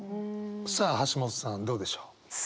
さあ橋本さんどうでしょう？